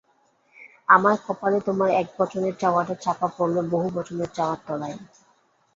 আমার কপালে তোমার একবচনের চাওয়াটা চাপা পড়ল বহুবচনের চাওয়ার তলায়।